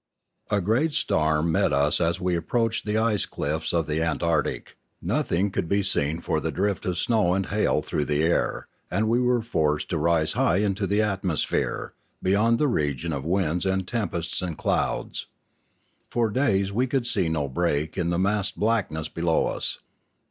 A great storm met us as we approached the ice cliffs of the Antarctic; nothing could be seen for the drift of snow and hail through the air, and we were forced to rise high into the atmosphere beyond the region of winds and tempests and clouds. For days we could see no break in the massed blackness below us.